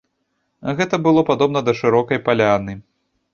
Гэта было падобна да шырокай паляны.